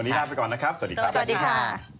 วันนี้เราไปก่อนนะครับสวัสดีค่ะ